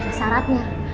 tapi ada syaratnya